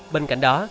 bên cạnh đó